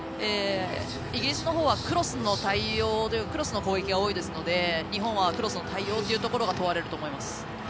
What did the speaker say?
イギリスのほうはクロスの攻撃が多いので日本はクロスの対応というところが問われると思います。